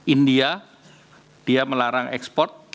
india dia melarang ekspor